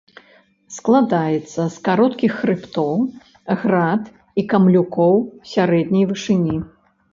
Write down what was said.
Складаецца з кароткіх хрыбтоў, град і камлюкоў сярэдняй вышыні.